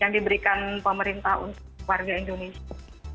yang diberikan pemerintah untuk warga indonesia